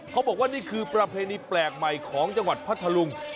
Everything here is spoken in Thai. เขาบอกว่านี่คือประเพณีแปลกใหม่ของจังหวัดพัทธลุง